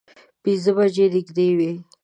پینځه بجې نږدې وې.